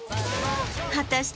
果たして